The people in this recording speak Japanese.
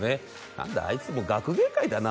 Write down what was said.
「何だあいつ学芸会だな」